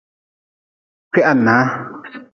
Kwihana.